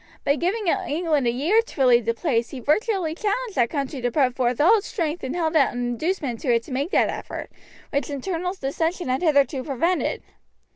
By giving England a year to relieve the place he virtually challenged that country to put forth all its strength and held out an inducement to it to make that effort, which internal dissension had hitherto prevented.